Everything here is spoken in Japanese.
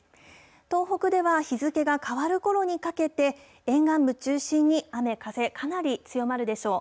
東北では日付が変わるころにかけて、沿岸部中心に雨、風、かなり強まるでしょう。